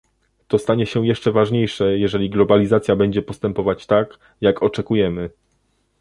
To stanie się jeszcze ważniejsze, jeżeli globalizacja będzie postępować tak, jak oczekujemy